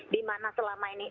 dimana selama ini